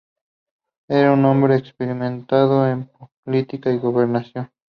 Era un hombre experimentado en política y gobernación.